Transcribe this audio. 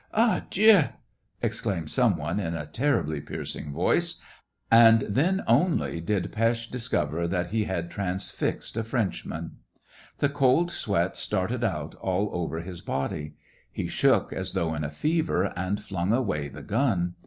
*' Ah, Dieu !" exclaimed some one in a terribly piercing voice, and then only did Pesth discover that he had transfixed a Frenchman. The cold sweat started out all over his body. He shook as though in a fever, and flung away the gun.